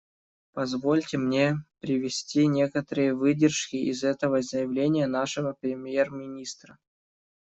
Позвольте мне привести некоторые выдержки из этого заявления нашего премьер-министра.